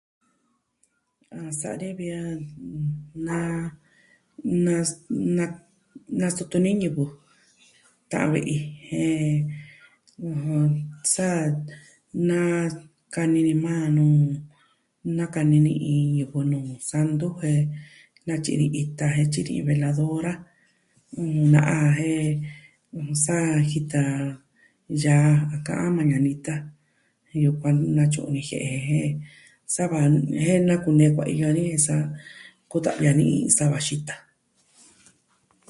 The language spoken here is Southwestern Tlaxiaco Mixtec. A sa'a ni vi a, nn... na... nas... na... nastutu ni ñivɨ, ta'an ve'i jen ɨjɨn, sa nakani ni maa nu, nakani ni iin ñivɨ nuu santu jen natyi ni ita jen tyi ni veladora. Na'a jen saa jita yaa a ka'an mañanita. Iyo kuaa natyi o ni jie'e jen sava, jen naku nee kuaiyo dani sa kuta'vi a ni sava xita.